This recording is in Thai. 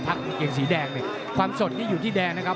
ทักเกงสีแดงความสดนี่อยู่ที่แดงนะครับ